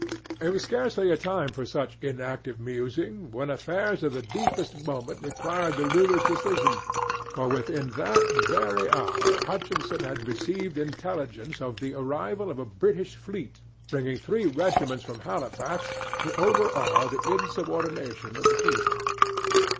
It was scarcely a time for such inactive musing, when affairs of the deepest moment required the ruler's decision; for within that very hour Hutchinson had received intelligence of the arrival of a British fleet bringing three regiments from Halifax to overawe the insubordination of the people.